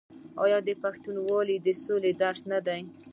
آیا پښتونولي د سولې درس نه دی؟